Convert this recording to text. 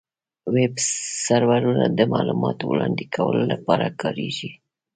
ویب سرورونه د معلوماتو وړاندې کولو لپاره کارېږي.